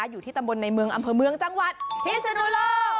อยู่ที่ตำบลในเมืองอำเภอเมืองจังหวัดพิศนุโลก